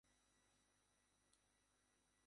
এ সময়ে তিনি তার নতুন কোন নাটক প্রকাশ করেননি।